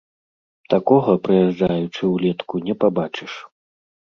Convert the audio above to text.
Такога, прыязджаючы ўлетку, не пабачыш.